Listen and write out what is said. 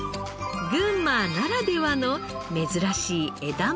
群馬ならではの珍しい枝豆グルメ。